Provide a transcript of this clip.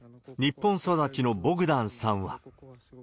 日本育ちのボグダンさんは。